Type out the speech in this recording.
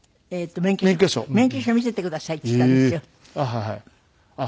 「免許証見せてください」って言ったんですよ。